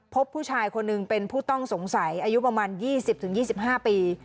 พบผู้ชายคนหนึ่งเป็นผู้ต้องสงสัยอายุประมาณ๒๐๒๕ปี